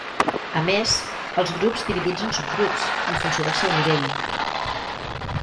A més, els grups dividits en subgrups, en funció del seu nivell.